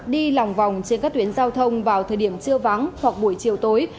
đi lòng vòng trên các tuyến giao thông vào thời điểm trưa vắng hoặc buổi chiều tối